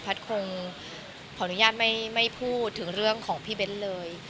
คงขออนุญาตไม่พูดถึงเรื่องของพี่เบ้นเลย